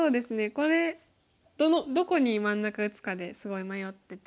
これどこに真ん中打つかですごい迷ってて。